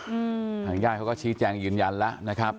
อืออืมทางยายก็ชี้แจ้งยืนยันละนะครับ